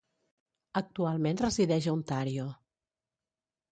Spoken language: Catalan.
Actualment resideix a Ontario.